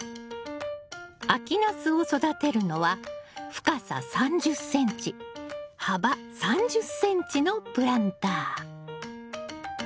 秋ナスを育てるのは深さ３０ｃｍ幅３０ｃｍのプランター。